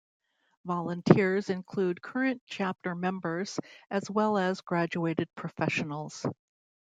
Volunteers include current chapter members as well as graduated professionals.